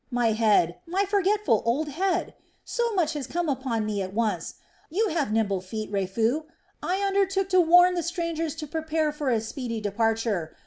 My head, my forgetful old head! So much has come upon me at once! You have nimble feet, Raphu; I undertook to warn the strangers to prepare for a speedy departure.